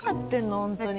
本当に。